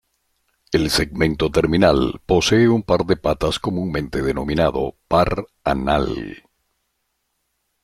El segmento terminal posee un par de patas comúnmente denominado par anal.